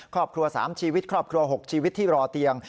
ครอบครัว๓ชีวิตครอบครัว๖ชีวิตที่รอเตียง